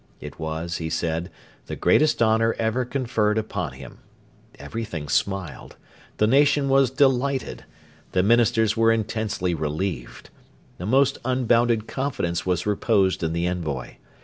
It was, he said, the greatest honour ever conferred upon him. Everything smiled. The nation was delighted. The Ministers were intensely relieved. The most unbounded confidence was reposed in the envoy.